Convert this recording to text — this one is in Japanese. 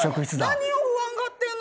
何を不安がってんの。